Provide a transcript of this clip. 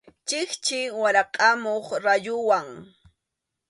Chikchi warakʼamuq rayuwan.